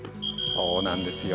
そうなんですよ。